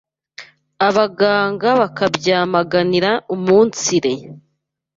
abaganga bakabyamaganira umunsire